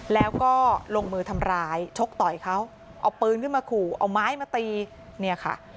แล้วก็ลงมือทำร้ายชกต่อยเขาเอาปืนขึ้นมาขู่เอาไม้มาตีเนี่ยค่ะ